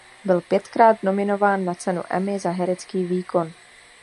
Byl pětkrát nominován na cenu Emmy za herecký výkon.